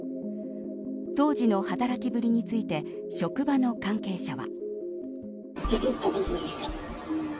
当時の働きぶりについて職場の関係者は。